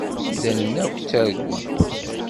Imdanen akk ttargun.